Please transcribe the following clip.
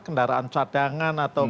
kendaraan cadangan ataupun